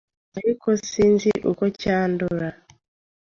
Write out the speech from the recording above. ariko sinzi uko cyandura”.